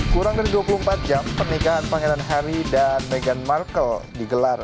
kurang dari dua puluh empat jam pernikahan pangeran harry dan meghan markle digelar